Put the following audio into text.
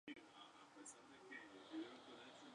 Fue la primera película de Bette Davis.